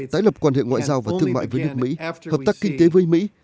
tái lập quan hệ ngoại giao và thương mại với nước mỹ hợp tác kinh tế với mỹ